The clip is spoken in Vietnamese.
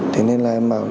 thế nên là em bảo